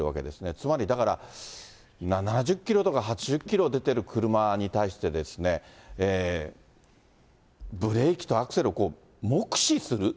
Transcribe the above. つまりだから、７０キロとか８０キロ出ている車に対して、ブレーキとアクセルを目視する？